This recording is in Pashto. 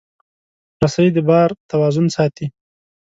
رسۍ د بار توازن ساتي.